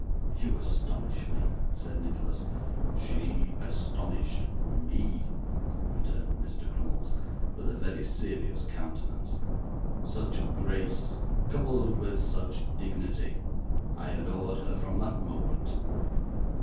'You astonish me!' said Nicholas. 'SHE astonished ME!' returned Mr. Crummles, with a very serious countenance. 'Such grace, coupled with such dignity! I adored her from that moment!